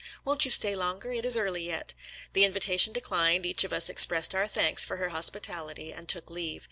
Won't you stay longer? It is early yet." The invitation declined, each of us expressed our thanks for her hospitality and took leave.